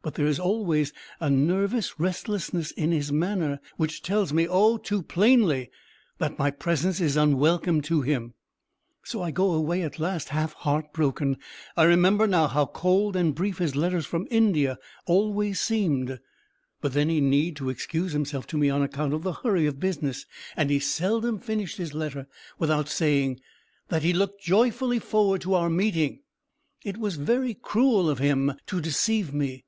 But there is always a nervous restlessness in his manner: which tells me,—oh, too plainly!—that my presence is unwelcome to him. So I go away at last, half heart broken. I remember, now, how cold and brief his letters from India always seemed: but then he need to excuse himself to me on account of the hurry of business: and he seldom finished his letter without saying that he looked joyfully forward to our meeting. It was very cruel of him to deceive me!"